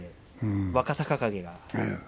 若隆景は。